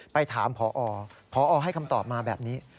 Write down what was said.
ไปถามพอพอให้คำตอบมาแบบนี้